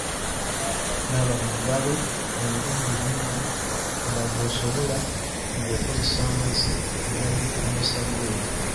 Naaba mu ngalo emirundi mingi nga bw’osobola ng’okozesa amazzi agayiika ne ssabbuuni.